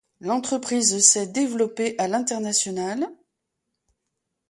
L’entreprise s’est développée à l’international.